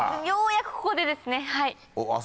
ようやくここでですねはい。